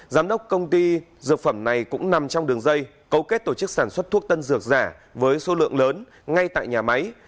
giám đốc công ty dược phẩm này cũng nằm trong đường dây cấu kết tổ chức sản xuất thuốc tân dược giả với số lượng lớn ngay tại nhà máy